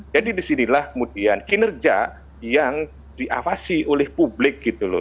jadi disinilah kemudian kinerja yang diavasi oleh publik gitu loh